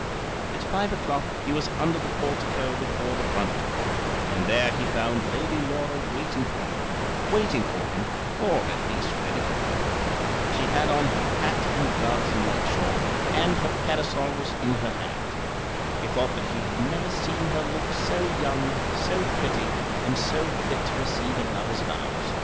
At five o'clock he was under the portico before the front door, and there he found Lady Laura waiting for him, waiting for him, or at least ready for him. She had on her hat and gloves and light shawl, and her parasol was in her hand. He thought that he had never seen her look so young, so pretty, and so fit to receive a lover's vows.